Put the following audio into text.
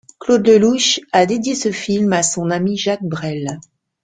Claude Lelouch a dédié ce film à son ami Jacques Brel.